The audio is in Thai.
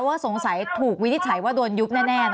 ว่าสงสัยถูกวินิจฉัยว่าโดนยุบแน่